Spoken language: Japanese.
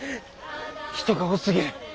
人が多すぎる。